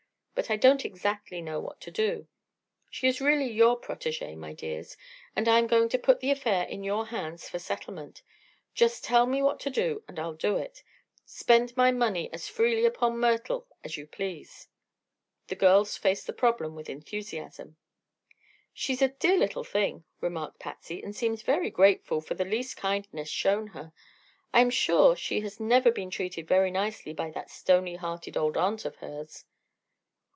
But I don't exactly know what to do. She is really your protégé, my dears, and I am going to put the affair in your hands for settlement. Just tell me what to do, and I'll do it. Spend my money as freely upon Myrtle as you please." The girls faced the problem with enthusiasm. "She's a dear little thing," remarked Patsy, "and seems very grateful for the least kindness shown her. I am sure she has never been treated very nicely by that stony hearted old aunt of hers."